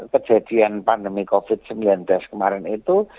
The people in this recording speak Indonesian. kejadian pandemi covid sembilan belas kemarin itu